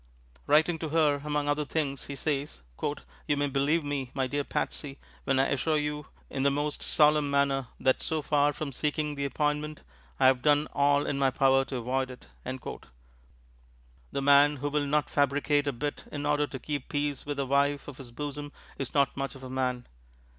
Writing to her, among other things he says, "You may believe me, my dear Patsy, when I assure you in the most solemn manner that so far from seeking the appointment I have done all in my power to avoid it." The man who will not fabricate a bit in order to keep peace with the wife of his bosom is not much of a man.